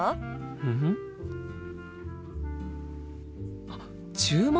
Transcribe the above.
うん？あっ注文？